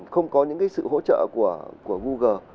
không có những cái sự hỗ trợ của google